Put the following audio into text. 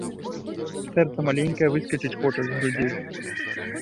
Сэрца маленькае выскачыць хоча з грудзей.